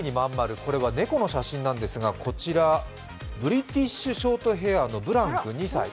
これは猫の写真なんですが、こちらブリティッシュショートヘアのブラン君、２歳。